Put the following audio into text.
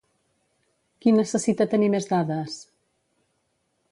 Qui necessita tenir més dades?